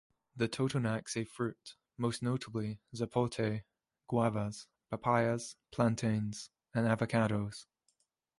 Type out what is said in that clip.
The Totonacs ate fruit, most notably zapotes, guavas, papayas, plantains and avocados.